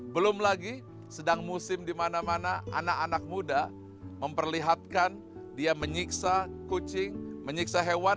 belum lagi sedang musim di mana mana anak anak muda memperlihatkan dia menyiksa kucing menyiksa hewan